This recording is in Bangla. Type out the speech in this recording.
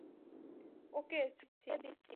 ওকে শুইয়ে দিচ্ছি।